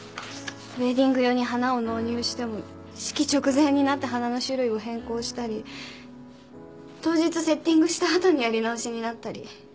ウエディング用に花を納入しても式直前になって花の種類を変更したり当日セッティングした後にやり直しになったり。